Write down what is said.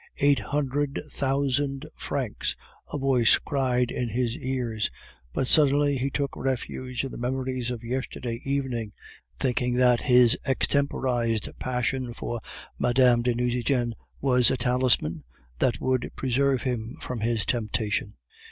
"Eight hundred thousand francs!" a voice cried in his ears, but suddenly he took refuge in the memories of yesterday evening, thinking that his extemporized passion for Mme. de Nucingen was a talisman that would preserve him from this temptation.